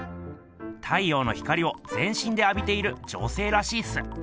太陽の光をぜんしんであびている女性らしいっす。